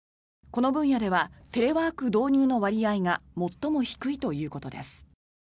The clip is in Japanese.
この分野ではテレワーク導入の割合が最も低いということです。